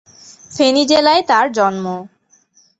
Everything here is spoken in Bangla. ফেনী জেলায় তাঁর জন্ম।